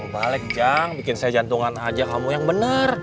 balik jang bikin saya jantungan aja kamu yang benar